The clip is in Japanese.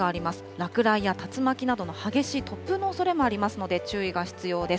落雷や竜巻などの激しい突風のおそれもありますので、注意が必要です。